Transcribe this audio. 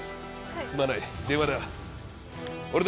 すまない、電話だ。